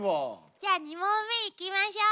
じゃあ２問目いきましょう。